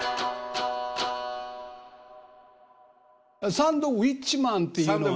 サンドウィッチマンっていうのは。